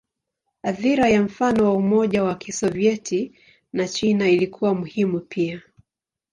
Athira ya mfano wa Umoja wa Kisovyeti na China ilikuwa muhimu pia.